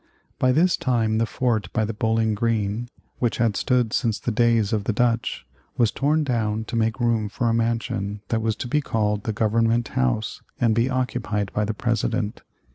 By this time the fort by the Bowling Green, which had stood since the days of the Dutch, was torn down to make room for a mansion that was to be called the Government House and be occupied by the President.